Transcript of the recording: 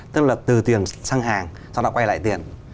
tức là từ tiền sang hàng sau đó quay lại tiền